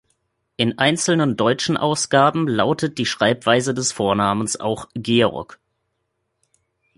In einzelnen deutschen Ausgaben lautet die Schreibweise des Vornamens auch „Georg“.